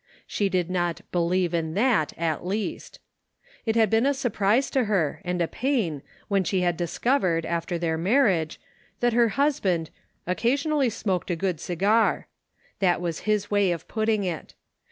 She did not " believe in that " at least. It had been a surprise to her, and a pain, when she had discovered, after their marriage, that her husband " occasionally smoked a good cigar ;" tHat was his way of putting it.